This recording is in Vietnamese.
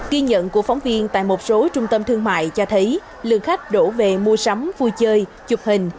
ghi nhận của phóng viên tại một số trung tâm thương mại cho thấy lượng khách đổ về mua sắm vui chơi chụp hình